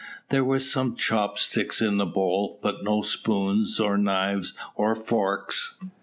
There were some chop sticks in the bowl, but no spoons, or knives, or forks.